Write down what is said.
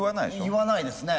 言わないですね。